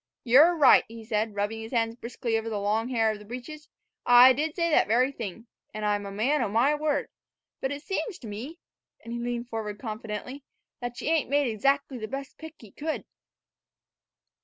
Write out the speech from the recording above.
"Ye're right," he said, rubbing his hands briskly over the long hair of the breeches; "I did say that very thing. An' I'm a man o' my word. But it seems to me," and he leaned forward confidently, "thet ye ain't made exac'ly the best pick thet ye could."